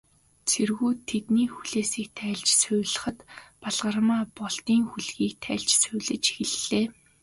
Цэргүүд тэдний хүлээсийг тайлж, сувилахад, Балгармаа Болдын хүлгийг тайлж сувилж эхэллээ.